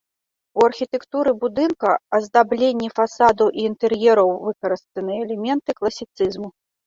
У архітэктуры будынка, аздабленні фасадаў і інтэр'ераў выкарыстаныя элементы класіцызму.